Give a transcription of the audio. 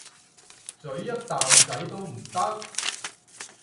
咀一啖仔都唔得？